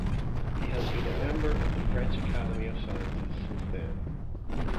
He has been a member of the French Academy of Sciences since then.